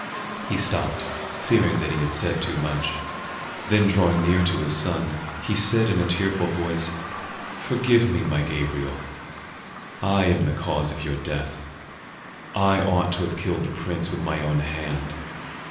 He stopped, fearing that he had said too much; then drawing near to his son, he said in a tearful voice, "Forgive me, my Gabriel; I am the cause of your death. I ought to have killed the prince with my own hand.